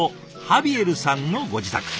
ハビエルさんのご自宅。